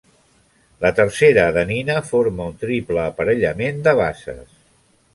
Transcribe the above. La tercera adenina forma un triple aparellament de bases.